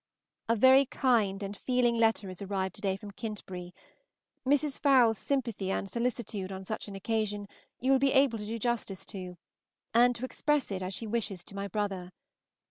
A very kind and feeling letter is arrived to day from Kintbury. Mrs. Fowle's sympathy and solicitude on such an occasion you will be able to do justice to, and to express it as she wishes to my brother.